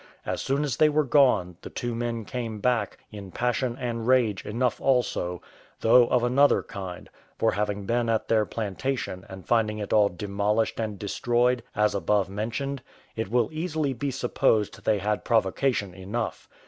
As soon as they were gone, the two men came back, in passion and rage enough also, though of another kind; for having been at their plantation, and finding it all demolished and destroyed, as above mentioned, it will easily be supposed they had provocation enough.